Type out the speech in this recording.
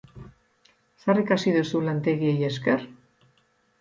Zer ikasi duzu lantegiei esker?